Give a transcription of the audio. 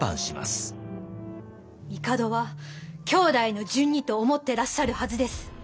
帝は兄弟の順にと思ってらっしゃるはずです。